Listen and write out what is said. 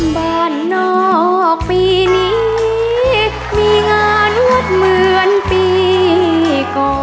บ้านนอกปีนี้มีงานนวดเหมือนปีก่อ